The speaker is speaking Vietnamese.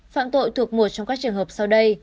phạm tội thuộc một trong các trường hợp sau đây